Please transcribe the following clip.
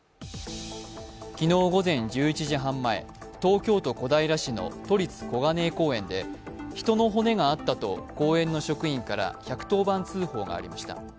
昨日午前１１時半前、東京都小平市の都立小金井公園で人の骨があったと公園の職員から１１０番通報がありました。